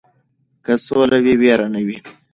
که سوله وي ویره نه وي.